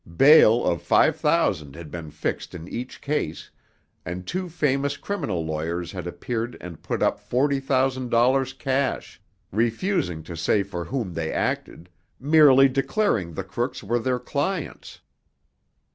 Bail of five thousand had been fixed in each case, and two famous criminal lawyers had appeared and put up forty thousand dollars cash, refusing to say for whom they acted, merely declaring the crooks were their clients.